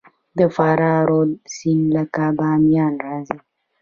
د فراه رود سیند له بامیان راځي